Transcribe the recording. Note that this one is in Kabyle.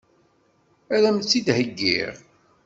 Ad m-tt-id-heggiɣ?